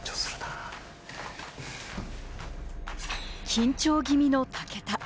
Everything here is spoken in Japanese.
緊張気味の武田。